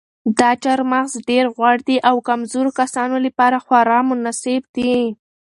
دا چهارمغز ډېر غوړ دي او د کمزورو کسانو لپاره خورا مناسب دي.